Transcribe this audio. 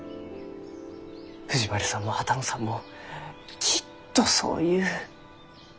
藤丸さんも波多野さんもきっとそう言う。